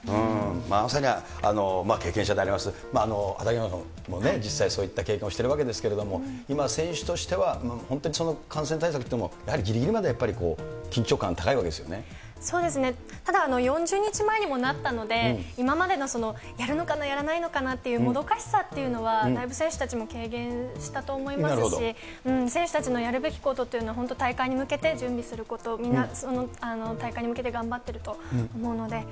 まさに経験者であります、畠山さんも実際そういう経験をしているわけですけれども、今、選手としては本当にその感染対策というのを、やはりぎりぎりまでただ、４０日前にもなったので、今までのやるのかな？やらないのかな？っていうもどかしさっていうのは、だいぶ選手たちも軽減したと思いますし、選手たちのやるべきことというのは、本当、大会に向けて準備すること、みんな大会に向けて頑張っていると思うので。